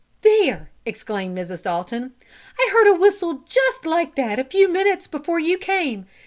"There!" exclaimed Mrs. Dalton. "I heard a whistle just like that a few minutes before you came.